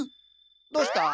どうした？